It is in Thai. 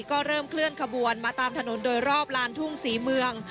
ก็เริ่มเคลื่อนขบวนมาตามถนนโดยรอบลานทุ่งศรีเมือง